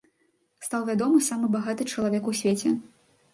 Стаў вядомы самы багаты чалавек у свеце.